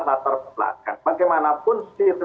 latar belakang bagaimanapun